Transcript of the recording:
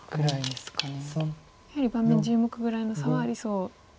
やはり盤面１０目ぐらいの差はありそう。